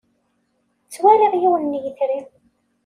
Ttwaliɣ yiwen n yetri.